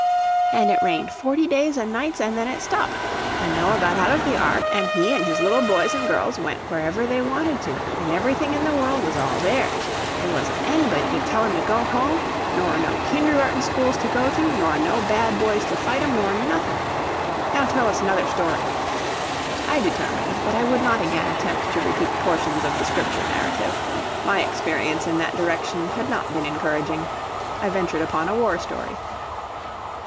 An' it rained forty days an' nights, an' then it stopped, an' Noah got out of the ark, an' he and his little boys an' girls went wherever they wanted to, and everything in the world was all theirs; there wasn't anybody to tell 'em to go home, nor no Kindergarten schools to go to, nor no bad boys to fight 'em, nor nothin'. Now tell us 'nother story." I determined that I would not again attempt to repeat portions of the Scripture narrative my experience in that direction had not been encouraging. I ventured upon a war story.